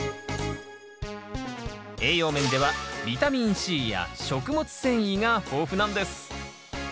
栄養面ではビタミンＣや食物繊維が豊富なんです